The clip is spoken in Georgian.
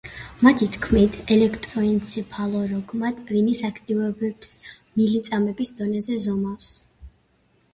მათი თქმით, ელექტროენცეფალოგრამა ტვინის აქტივობებს მილიწამების დონეზე ზომავს.